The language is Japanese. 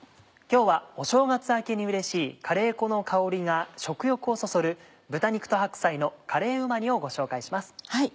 今日はお正月明けにうれしいカレー粉の香りが食欲をそそる「豚肉と白菜のカレーうま煮」をご紹介します。